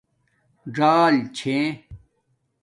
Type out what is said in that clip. ژَآل چھے